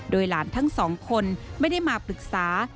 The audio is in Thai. โดยหลานทั้งสองคนไม่ได้มาปรึกษา